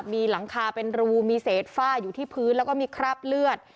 มีหลังคาเป็นรูมีเศษฝ้าอยู่ที่พื้นแล้วก็มีคราบเลือด